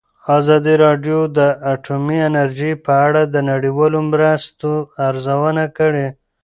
ازادي راډیو د اټومي انرژي په اړه د نړیوالو مرستو ارزونه کړې.